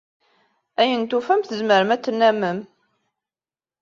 Ayen tufam tzemrem ad t-tennammem.